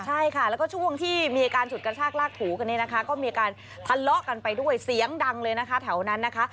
ใช่ค่ะแล้วก็ช่วงที่มีการฉุดกระชากลากถูกันเนี่ยนะคะก็มีการทะเลาะกันไปด้วยเสียงดังเลยนะคะแถวนั้นนะคะ